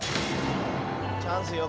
チャンスよ